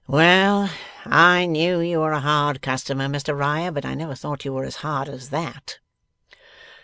Well! I knew you were a hard customer, Mr Riah, but I never thought you were as hard as that.